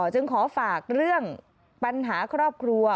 จึงขอฝากเรื่องปัญหาครอบครัว